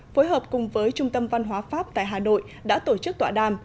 phối hợp cùng với trung tâm văn hóa pháp tại hà nội đã tổ chức tọa đàm